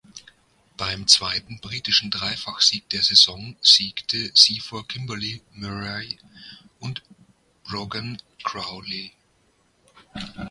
Beim zweiten britischen Dreifachsieg der Saison siegte sie vor Kimberley Murray und Brogan Crowley.